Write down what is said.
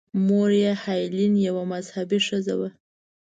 مور یې هیلین یوه مذهبي ښځه وه.